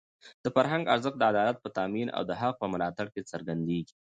د فرهنګ ارزښت د عدالت په تامین او د حق په ملاتړ کې څرګندېږي.